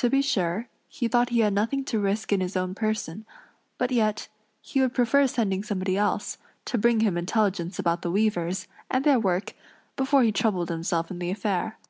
To be sure, he thought he had nothing to risk in his own person; but yet, he would prefer sending somebody else, to bring him intelligence about the weavers, and their work, before he troubled himself in the affair.